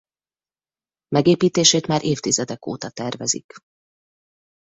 Megépítését már évtizedek óta tervezik.